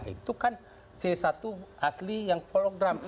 itu kan c satu asli yang pologram